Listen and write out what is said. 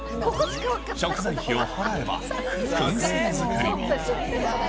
食材費を払えば、くん製作りも。